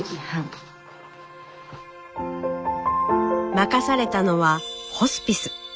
任されたのはホスピス。